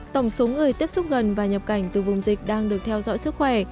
tổng số người tiếp xúc gần và nhập cảnh từ vùng dịch đang được theo dõi sức khỏe